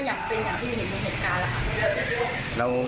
อยากเป็นอย่างที่เห็นในเหตุการณ์ล่ะค่ะ